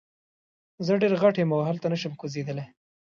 زه ډیر غټ یم او هلته نشم کوزیدلی.